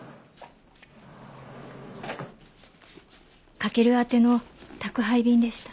翔宛ての宅配便でした。